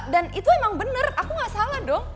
itu emang bener aku gak salah dong